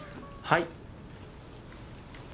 はい。